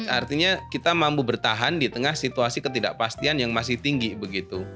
artinya kita mampu bertahan di tengah situasi ketidakpastian yang masih tinggi begitu